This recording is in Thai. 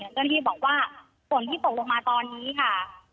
เจ้าหน้าที่บอกว่าฝนที่ตกลงมาตอนนี้ค่ะ